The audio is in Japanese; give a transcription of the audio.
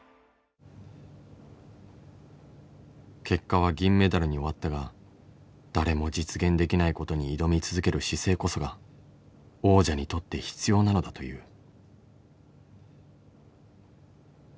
結果は銀メダルに終わったが誰も実現できないことに挑み続ける姿勢こそが王者にとって必要なのだという。